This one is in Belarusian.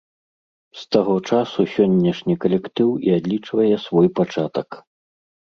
З таго часу сённяшні калектыў і адлічвае свой пачатак.